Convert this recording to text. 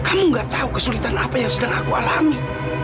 kamu gak tahu kesulitan apa yang sedang aku alami